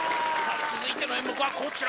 続いての演目はこちら。